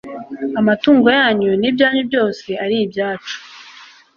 amatungo yanyu n'ibyanyu byose ari ibyacu